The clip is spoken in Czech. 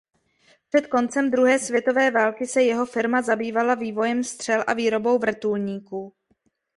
Před koncem druhé světové války se jeho firma zabývala vývojem střel a výrobou vrtulníku.